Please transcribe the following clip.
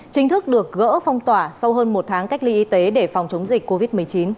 chính thức được gỡ phong tỏa sau hơn một tháng cách ly y tế để phòng chống dịch covid một mươi chín